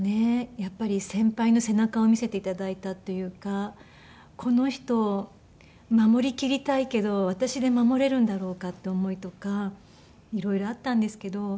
やっぱり先輩の背中を見せて頂いたというかこの人を守りきりたいけど私で守れるんだろうかっていう思いとか色々あったんですけど。